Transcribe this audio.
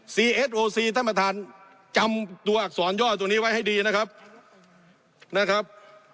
เอสโอซีท่านประธานจำตัวอักษรย่อตัวนี้ไว้ให้ดีนะครับนะครับ